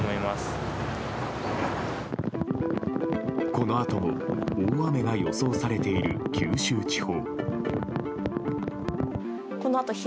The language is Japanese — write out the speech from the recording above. このあとも大雨が予想されている九州地方。